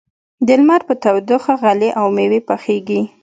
د لمر په تودوخه غلې او مېوې پخېږي.